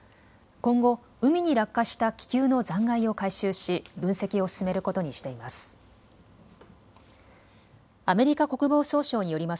今後海に落下した気球の残骸を回収し分析を進めることにしています。